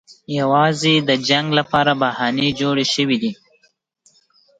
یوازې د جنګ لپاره بهانې جوړې شوې دي.